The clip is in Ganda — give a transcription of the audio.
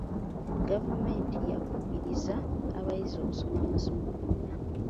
Gavumenti yakubirizza abayizi okusoma amasomo gonna.